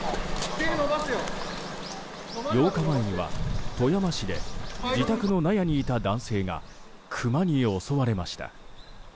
８日前には富山市で自宅の納屋にいた男性がクマに襲われました。